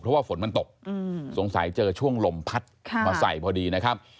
เพราะว่าฝนมันตกสงสัยเจอช่วงลมพัดมาใส่พอดีนะครับ